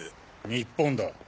日本だ。